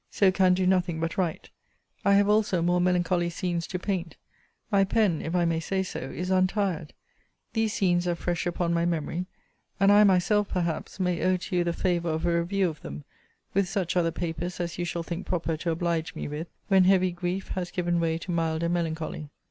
So can do nothing but write. I have also more melancholy scenes to paint. My pen, if I may say so, is untired. These scenes are fresh upon my memory: and I myself, perhaps, may owe to you the favour of a review of them, with such other papers as you shall think proper to oblige me with, when heavy grief has given way to milder melancholy.